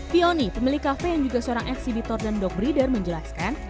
pioni pemilik kafe yang juga seorang eksibitor dan dog breeder menjelaskan